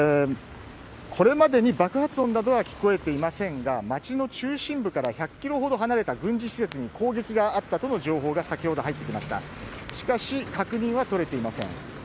これまでに爆発音などは聞こえていませんが街の中心部から１００ｋｍほど離れた軍事侵攻に攻撃があったという情報が入ってきましたが確認はとれていません。